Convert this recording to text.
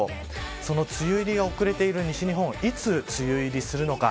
梅雨入りが遅れている西日本いつ梅雨入りするのか。